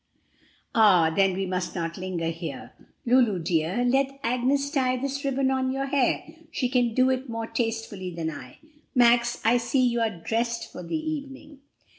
"Ah, then we must not linger here! Lulu dear, let Agnes tie this ribbon on your hair. She can do it more tastefully than I. Max, I see you are dressed for the evening."